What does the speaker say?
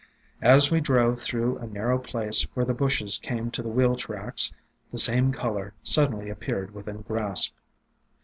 As we drove through a narrow place where the bushes came to the wheel tracks, the same color suddenly appeared within grasp.